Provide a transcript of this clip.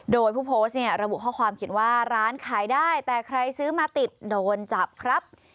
โดยผู้โพสต์เนี่ยระบุข้อความเขียนว่าร้านขายได้แต่ใครซื้อมาติดโดนจับครับ